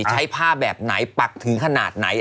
ใช้ผ้าแบบไหนปักถึงขนาดไหน